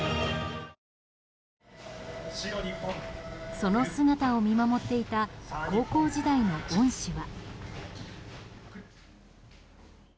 その姿を見守っていた高校時代の恩師は。